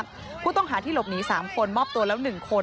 ผู้ต้องหาที่หลบหนี๓คนมอบตัวแล้ว๑คน